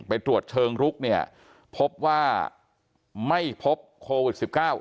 ไปตรวจเชิงลุกเนี่ยพบว่าไม่พบโควิด๑๙